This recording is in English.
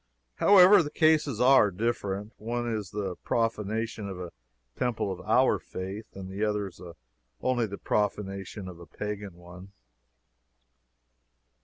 However, the cases are different. One is the profanation of a temple of our faith the other only the profanation of a pagan one.